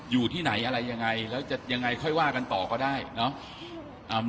อยู่ที่ไหนอะไรยังไงแล้วจะยังไงค่อยว่ากันต่อก็ได้เนาะ